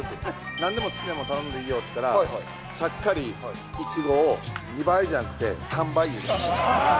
なんでも好きなもの頼んでいいよって言ったら、ちゃっかり、いちごを２倍じゃなくて、３倍にしてました。